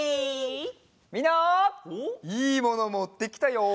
みんないいものもってきたよ！